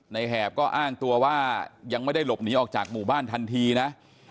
แหบก็อ้างตัวว่ายังไม่ได้หลบหนีออกจากหมู่บ้านทันทีนะ